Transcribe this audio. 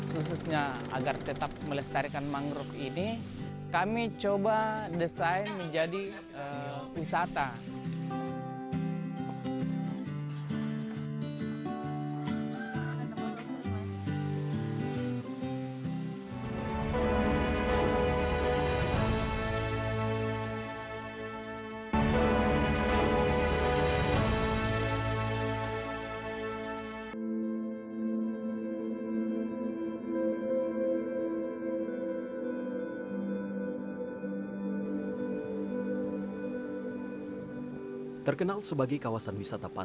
khususnya agar tetap melestarikan mangguruf ini kami coba desain menjadi wisata